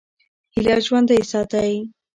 هیله ژوندۍ ساتئ.